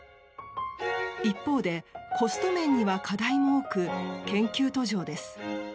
一方で、コスト面には課題も多く研究途上です。